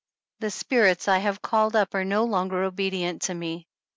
The spirits I have called up are no longer obedient to me.